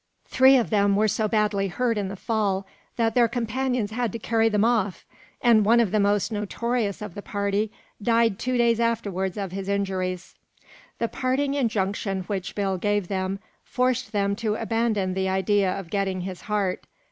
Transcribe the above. Three of them were so badly hurt in the fall that their companions had to carry them off, and one of the most notorious of the party died two days afterwards of his injuries. The parting injunction which Bill gave them forced them to abandon the idea of getting his heart.